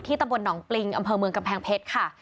ตำบลหนองปริงอำเภอเมืองกำแพงเพชรค่ะ